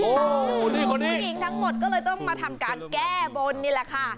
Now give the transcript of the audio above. โอ้โหผู้หญิงทั้งหมดก็เลยต้องมาทำการแก้บนนี่แหละค่ะ